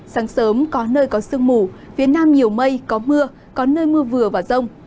sáng sớm có nơi có sương mù phía nam nhiều mây có mưa có nơi mưa vừa và rông